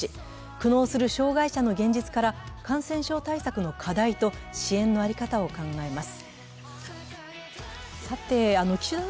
苦悩する障害者の現実から感染症対策の課題と支援の在り方を考えます。